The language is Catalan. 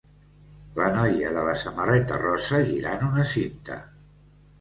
La noia de la samarreta rosa girant una cinta